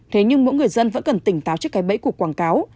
thế nhưng mỗi người dân vẫn cần tỉnh táo trước cái bẫy của quảng cáo